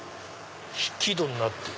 引き戸になってる。